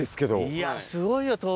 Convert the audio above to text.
いやすごいよ。